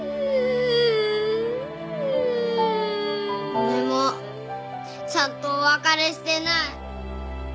俺もちゃんとお別れしてない。